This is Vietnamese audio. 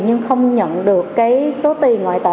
nhưng không nhận được số tiền ngoại tệ